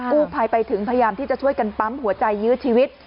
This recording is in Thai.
กู้ไพไปถึงพยายามช่วยกันปั๊มหัวใจยืดชีวิต